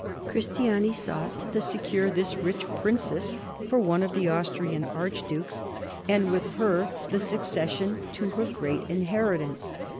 Christiani sought to secure this rich princess for one of the Austrian archdukes, and with her the succession to her great inheritance.